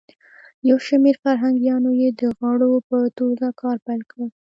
یو شمیر فرهنګیانو یی د غړو په توګه کار پیل کړ.